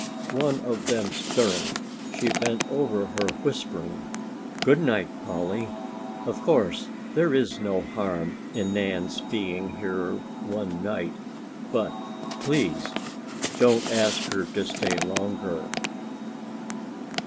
One of them stirring, she bent over her whispering: "Good night, Polly; of course there is no harm in Nan's being here one night, but please don't ask her to stay longer."